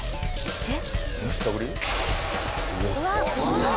えっ？